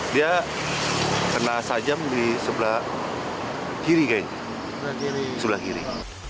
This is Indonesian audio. dia terkena sejam di sebelah kiri